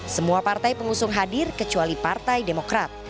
semua partai pengusung hadir kecuali partai demokrat